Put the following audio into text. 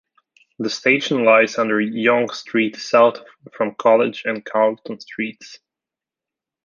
The station lies under Yonge Street south from College and Carlton streets.